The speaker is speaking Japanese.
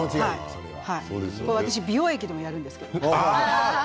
私、美容液でもやるんですよ。